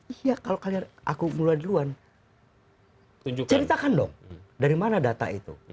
iya kalau kalian aku mulai duluan ceritakan dong dari mana data itu